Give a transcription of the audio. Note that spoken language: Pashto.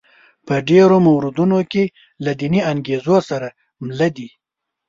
په ډېرو موردونو کې له دیني انګېزو سره مله دي.